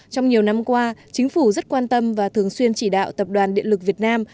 trong nhiều năm qua chính phủ rất quan tâm và thường xuyên chỉ đạo tập đoàn điện lực việt nam